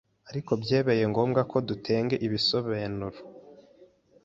Eriko byebeye ngombwe ko dutenge ibisobenuro